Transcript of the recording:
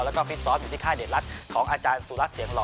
แล้วก็ฟิตซ้อมอยู่ที่ค่ายเดชรัฐของอาจารย์สุรัสตเสียงหล่อ